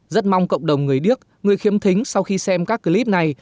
rất mong cộng đồng người điếc người khiếm thính sau khi xem các clip này